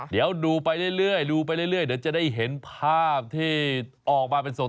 เดี๋ยวดูไปเรื่อยเดี๋ยวจะได้เห็นภาพที่ออกมาเป็นทรง